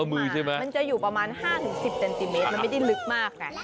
ใช่ไหมมันจะอยู่ประมาณ๕๑๐เซนติเมตรมันไม่ได้ลึกมากไง